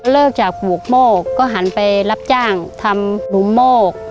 จากปลูกโมกก็หันไปรับจ้างทำหลุมโมก